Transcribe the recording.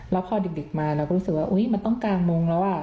แล้วพอดึกมาเราก็รู้สึกว่ามันต้องกางมงค์แล้ว